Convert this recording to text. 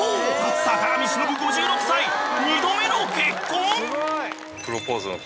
坂上忍５６歳２度目の結婚！］